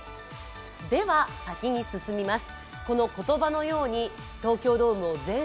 では先に進みます。